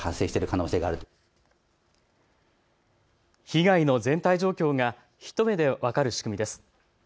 被害の全体状況が一目で分かる仕組みです。